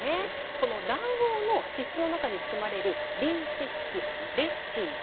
この卵黄の脂質の中に含まれるリン脂質レシチンです。